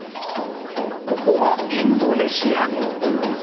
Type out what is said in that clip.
ここはインドネシアの海。